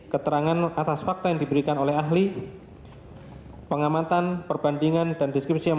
keterangan atas fakta yang diberikan oleh ahli pengamatan perbandingan dan deskripsi yang